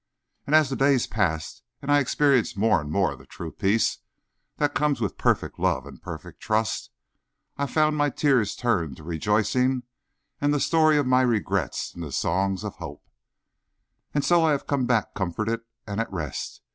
And as the days passed, and I experienced more and more of the true peace that comes with perfect love and perfect trust, I found my tears turned to rejoicing and the story of my regrets into songs of hope. And so I have come back comforted and at rest.